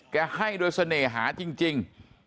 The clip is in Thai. ให้โดยเสน่หาจริง